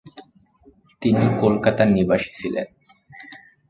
তিনি কলকাতার নিবাসী ছিলেন।